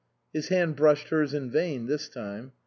His hand brushed hers in vain this time.